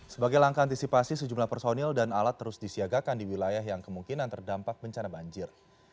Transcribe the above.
sebagai langkah antisipasi sejumlah personil dan alat terus disiagakan di wilayah yang kemungkinan terdampak bencana banjir